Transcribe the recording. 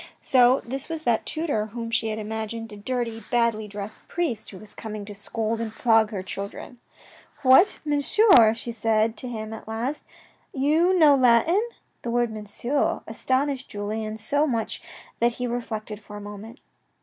So this was that tutor whom she had imagined a dirty, badly dressed priest, who was coming to scold and flog her children. " What ! Monsieur^" she said to him at last, " you know Latin ?" The word " Monsieur " astonished Julien so much that he reflected for a moment.